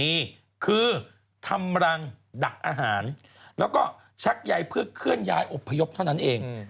มีคือทำรังดักอาหารแล้วก็ชักใยเพื่อเคลื่อนย้ายอบพยพเท่านั้นเอง